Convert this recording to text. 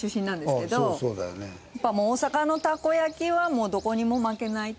大阪のたこ焼きはもうどこにも負けない。